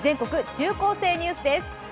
中高生ニュース」です。